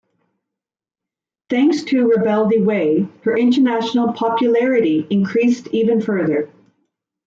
Thanks to "Rebelde Way", her international popularity increased even further.